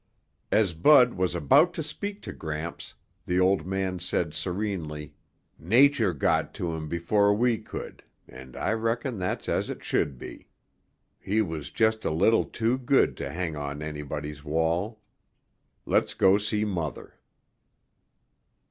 As Bud was about to speak to Gramps, the old man said serenely, "Nature got to him before we could and I reckon that's as it should be. He was just a little too good to hang on anybody's wall. Let's go see Mother."